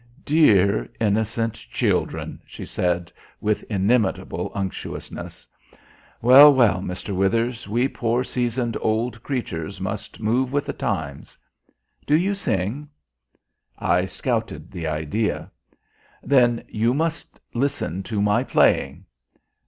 "Dear innocent children!" she said, with inimitable unctuousness. "Well, well, Mr. Withers, we poor seasoned old creatures must move with the times. Do you sing?" I scouted the idea. "Then you must listen to my playing.